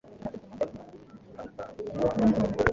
Hariho abana benshi bakina tagi kumikino.